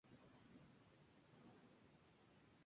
Maki y Cía.